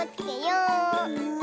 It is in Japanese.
うん？